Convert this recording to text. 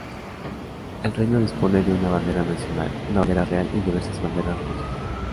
El reino dispone de una bandera nacional, una bandera real, y diversas banderas religiosas.